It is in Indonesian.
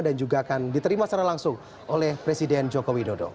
dan juga akan diterima secara langsung oleh presiden joko widodo